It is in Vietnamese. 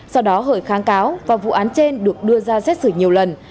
sau đó hời kháng cáo và vụ án trên được đưa ra xét xử nhiều lần